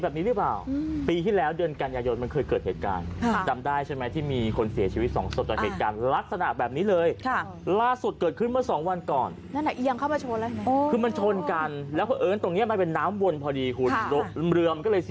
ตอนแรกเขาถ่ายคลิปเล่นกันอยู่